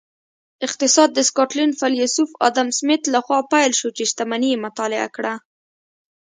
اقتصاد د سکاټلینډ فیلسوف ادم سمیت لخوا پیل شو چې شتمني یې مطالعه کړه